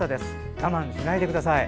我慢しないでください。